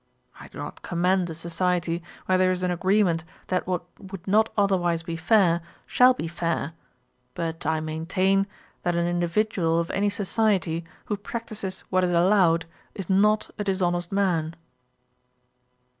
I do not commend a society where there is an agreement that what would not otherwise be fair, shall be fair; but I maintain, that an individual of any society, who practises what is allowed, is not a dishonest man.'